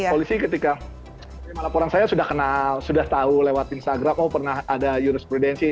polisi ketika melaporkan saya sudah tahu lewat instagram oh pernah ada jurisprudensi